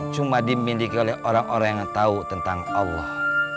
cuma dimiliki oleh orang orang yang tahu tentang allah